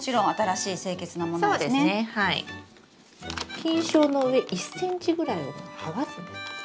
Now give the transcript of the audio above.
菌床の上１ｃｍぐらいを剥がすんです。